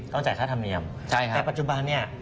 จ่ายค่าธรรมเนียมแต่ปัจจุบันเนี่ย